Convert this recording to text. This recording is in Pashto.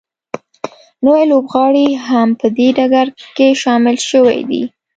نوي لوبغاړي هم په دې ډګر کې شامل شوي دي